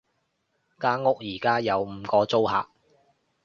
間屋而家有五個租客